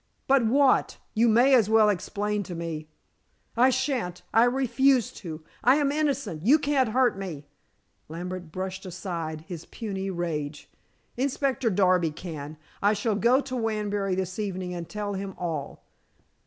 "But what? You may as well explain to me." "I shan't I refuse to. I am innocent! You can't hurt me!" Lambert brushed aside this puny rage. "Inspector Darby can. I shall go to Wanbury this evening and tell him all."